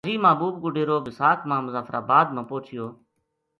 حاجی محبوب کو ڈیرو بِساکھ ما مظفرآباد ما پوہچیو